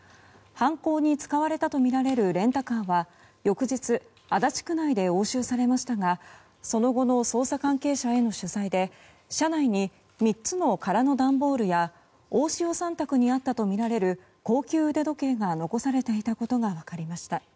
犯行に使われたとみられるレンタカーは翌日、足立区内で押収されましたがその後の捜査関係者への取材で車内に３つの空の段ボールや大塩さん宅にあったとみられる高級腕時計が残されていたことが分かりました。